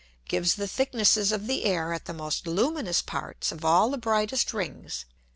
gives the Thicknesses of the Air at the most luminous Parts of all the brightest Rings, _viz.